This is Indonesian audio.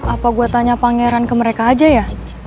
apa gue tanya pangeran ke mereka aja ya